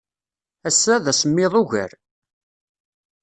Ass-a, d asemmiḍ ugar.